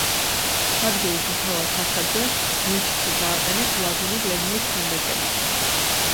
სადგურის მთავარ ფასადზე, ნიშში დააყენეს ვლადიმერ ლენინის ქანდაკება.